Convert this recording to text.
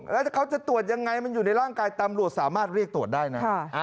แล้วเขาจะตรวจยังไงมันอยู่ในร่างกายตำรวจสามารถเรียกตรวจได้นะ